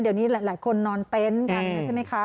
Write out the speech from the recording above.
เดี๋ยวนี้หลายคนนอนเต็มท์